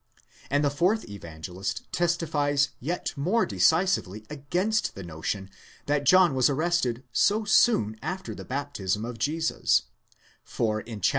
and the fourth Evangelist testifies yet more decisively against the notion that John was arrested so soon after the baptism of Jesus; for in chap.